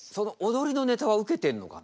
踊りのネタはウケてるのかな？